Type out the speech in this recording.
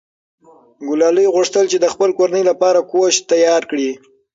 ګلالۍ غوښتل چې د خپلې کورنۍ لپاره کوچ تیار کړي.